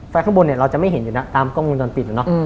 ไฟข้างบนเราจะไม่เห็นอยู่นะตามกล้องมงจรปิดนะ